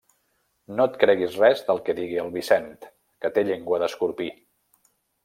No et creguis res del que digui el Vicent, que té llengua d'escorpí.